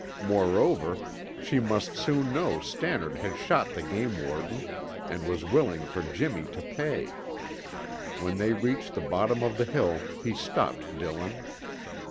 Moreover, she must soon know Stannard had shot the game warden and was willing for Jimmy to pay. When they reached the bottom of the hill he stopped Dillon.